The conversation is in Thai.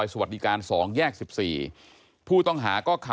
ส่วนผู้ต้องหา